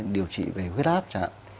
điều trị về huyết áp chẳng hạn